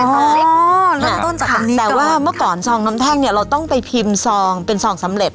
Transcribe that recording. เริ่มต้นจากตรงนี้แต่ว่าเมื่อก่อนซองน้ำแท่งเนี่ยเราต้องไปพิมพ์ซองเป็นซองสำเร็จ